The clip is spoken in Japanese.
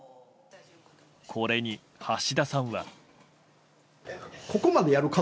これに、橋田さんは。